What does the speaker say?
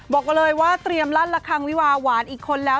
บอกเลยว่าเตรียมลั่นละคังวิวาหวานอีกคนแล้ว